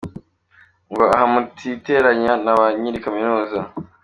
Ngo aha mutiteranya na ba nyiri Kaminuza!